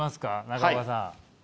中岡さん。